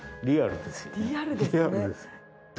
リアルですね。